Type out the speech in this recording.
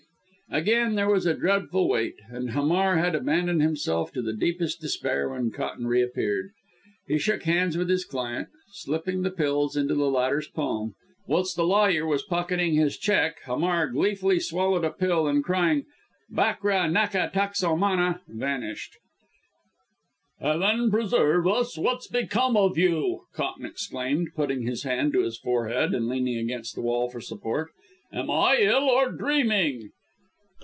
Again there was a dreadful wait, and Hamar had abandoned himself to the deepest despair when Cotton reappeared. He shook hands with his client, slipping the pills into the latter's palm. Whilst the lawyer was pocketing his cheque, Hamar gleefully swallowed a pill, and crying out "Bakra naka takso mana," vanished! "Heaven preserve us! What's become of you?" Cotton exclaimed, putting his hand to his forehead and leaning against the wall for support. "Am I ill or dreaming?"